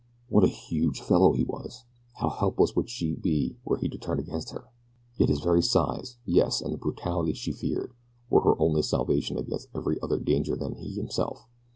What a huge fellow he was! How helpless would she be were he to turn against her! Yet his very size; yes, and the brutality she feared, were her only salvation against every other danger than he himself.